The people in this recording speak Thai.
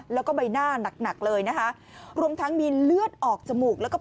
แล้วก็ใบหน้าหนักหนักเลยนะคะรวมทั้งมีเลือดออกจมูกแล้วก็